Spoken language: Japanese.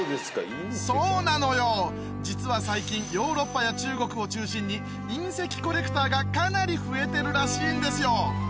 そうなのよ実は最近ヨーロッパや中国を中心に隕石コレクターがかなり増えてるらしいんですよ